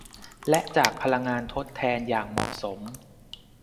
และจากพลังงานทดแทนอย่างเหมาะสม